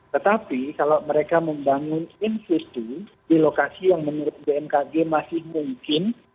tetapi kalau mereka membangun institusi di lokasi yang menurut bmkg masih mungkin